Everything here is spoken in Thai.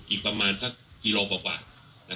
อีกประมาณสักกิโลกว่า